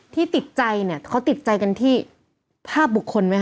ที่ติดใจเนี่ยเขาติดใจกันที่ภาพบุคคลไหมค